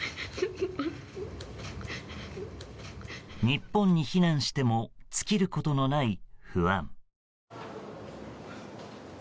日本に避難しても尽きることのない不安。